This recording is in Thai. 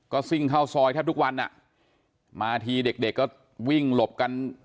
ก็ซิ่งเข้าซอยแทบทุกวันอ่ะมาทีเด็กเด็กก็วิ่งหลบกัน